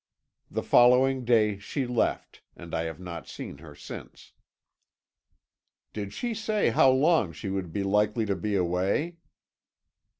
The following day she left, and I have not seen her since." "Did she say how long she would be likely to be away?"